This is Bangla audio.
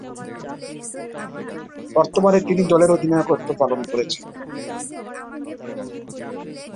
বর্তমানে তিনি দলের অধিনায়কত্ব পালন করছেন।